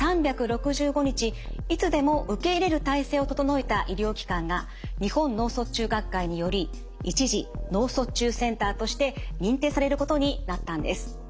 いつでも受け入れる体制を整えた医療機関が日本脳卒中学会により一次脳卒中センターとして認定されることになったんです。